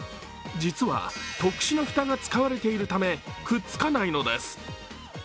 実は特殊な蓋が使われているため、くっつかないのです。